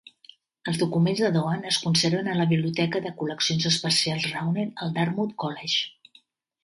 Els documents de Doan es conserven a la Biblioteca de Col·leccions Especials Rauner, al Dartmouth College.